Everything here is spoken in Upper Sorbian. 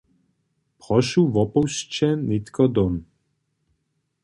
Prošu wopušćće nětko dom.